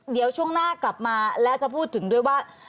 เดี๋ยวช่วงหน้ากลับมาแล้วจะพูดถึงด้วยว่า